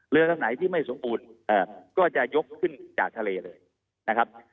ทางไหนที่ไม่สมบูรณ์ก็จะยกขึ้นจากทะเลเลยนะครับ